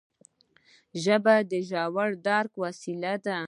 ژبه د ژور درک وسیله ده